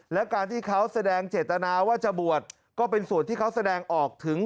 และการที่เขาแสดงเจตนาว่าจะบวชก็เป็นส่วนที่เขาแสดงออกถึง